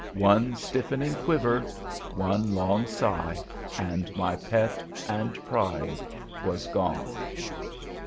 One stiffening quiver, one long sigh, and my pet and pride was gone.